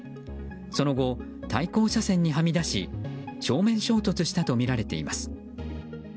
その後、対向車線にはみ出し正面衝突したとみられています。